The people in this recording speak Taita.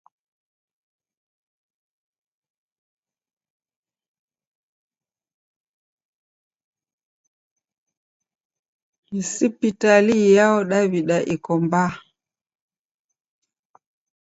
Ni sipitali iyao Daw'ida iko mbaha?